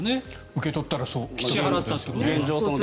受け取っていたらそういうことですね。